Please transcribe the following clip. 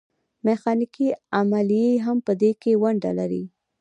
میخانیکي عملیې هم په دې کې ونډه لري.